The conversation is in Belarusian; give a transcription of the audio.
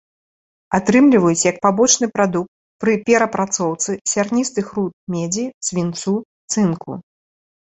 Атрымліваюць як пабочны прадукт пры перапрацоўцы сярністых руд медзі, свінцу, цынку.